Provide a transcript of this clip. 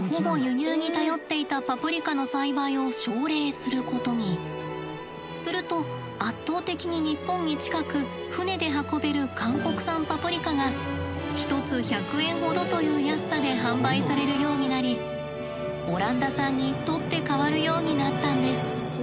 そんな中すると圧倒的に日本に近く船で運べる韓国産パプリカが１つ１００円ほどという安さで販売されるようになりオランダ産に取って代わるようになったんです。